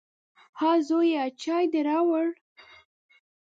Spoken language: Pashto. _ها زويه، چای دې راووړ؟